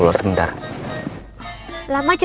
sebenernya aku mau